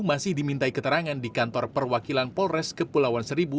masih dimintai keterangan di kantor perwakilan polres kepulauan seribu